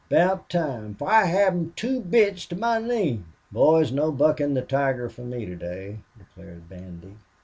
"'Bout time, for I haven't two bits to my name." "Boys, no buckin' the tiger for me to day," declared Bandy.